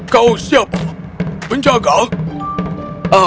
kau siap penjaga